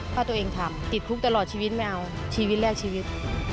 ถ้าตัวเองทำติดคุกตลอดชีวิตไม่เอาชีวิตแรกชีวิต